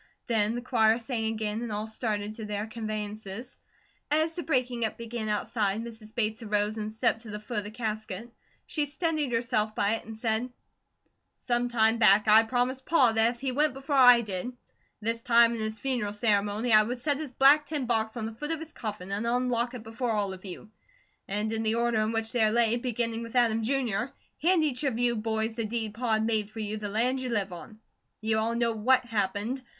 Then the choir sang again and all started to their conveyances. As the breaking up began outside, Mrs. Bates arose and stepped to the foot of the casket. She steadied herself by it and said: "Some time back, I promised Pa that if he went before I did, at this time in his funeral ceremony I would set his black tin box on the foot of his coffin and unlock before all of you, and in the order in which they lay, beginning with Adam, Jr., hand each of you boys the deed Pa had made you for the land you live on. You all know WHAT happened.